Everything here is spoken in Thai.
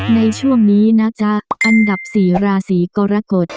ในช่วงนี้นะจ๊ะอันดับ๔ราศีกรกฎ